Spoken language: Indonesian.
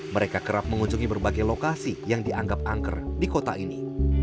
mereka kerap mengunjungi berbagai lokasi yang dianggap angker di kota ini